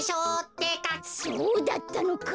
そうだったのか。